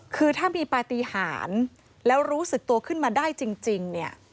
คือถ้ามีปฏิหารแล้วรู้สึกตัวขึ้นมาได้จริงเนี่ย